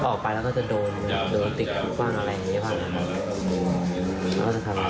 ออกไปแล้วก็จะโดนติดหลังอะไรอย่างนี้บ้าง